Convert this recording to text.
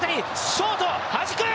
ショートはじく。